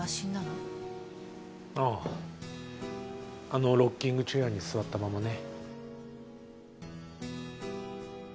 あのロッキングチェアに座ったままね。